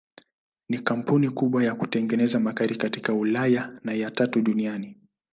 Ni kampuni kubwa ya kutengeneza magari katika Ulaya na ya tatu duniani.